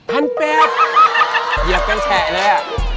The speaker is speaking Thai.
มะน้ำมะแล้ว